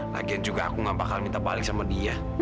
lagian juga aku gak bakal minta balik sama dia